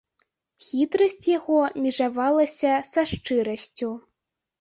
Хітрасць яго межавалася са шчырасцю.